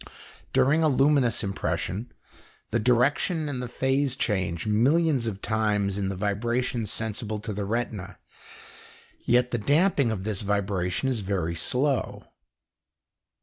During a luminous impression, the direction and the phase change millions of times in the vibration sensible to the retina, yet the damping of this vibration is very slow.